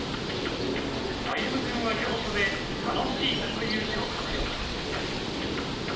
歩夢君は行書で「楽しい」という字を書くようだ。